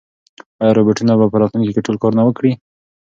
ایا روبوټونه به په راتلونکي کې ټول کارونه وکړي؟